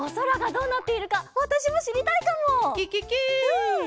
うん！